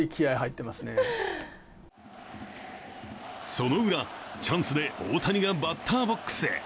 そのウラ、チャンスで大谷がバッターボックスへ。